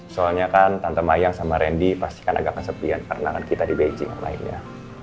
soalnya kan tante mayang sama randy pasti kan agak kesepian karena kan kita di beijing yang lainnya